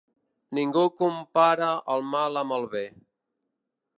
Ningú compara el mal amb el bé.